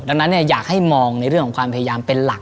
ดังนั้นอยากให้มองในเรื่องของความพยายามเป็นหลัก